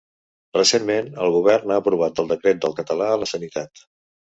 Recentment, el govern ha aprovat el decret del català a la sanitat.